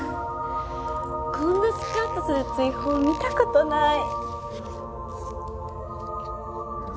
こんなスカッとする追放見た事ない。